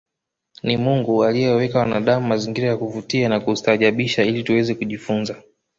Ni Mungu aliyewawekea wanadamu mazingira ya kuvutia na kustaajabisha ili tuweze kujifunza